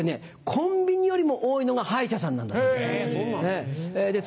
コンビニよりも多いのが歯医者さんなんだそうです。